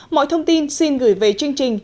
mọi thông tin xin gửi về chương trình